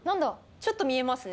ちょっと見えますね。